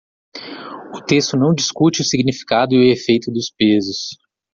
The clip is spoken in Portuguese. O texto não discute o significado e o efeito dos pesos.